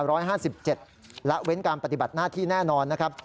และเว้นการปฏิบัติหน้าที่แน่นอนนะครับ